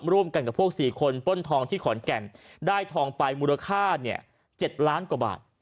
ร่วมกันกับพวก๔คนป้นทองที่ขอนแก่นได้ทองไปมูลค่า๗ล้านกว่าบาท